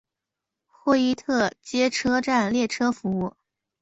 霍伊特街车站列车服务。